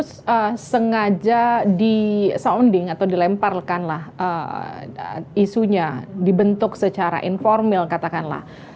itu sengaja di sounding atau dilemparkanlah isunya dibentuk secara informal katakanlah